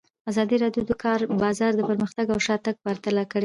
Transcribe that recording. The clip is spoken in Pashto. ازادي راډیو د د کار بازار پرمختګ او شاتګ پرتله کړی.